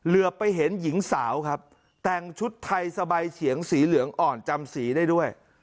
เหลือไปเห็นหญิงสาวครับแต่งชุดไทยสบายเฉียงสีเหลืองอ่อนจำสีได้ด้วย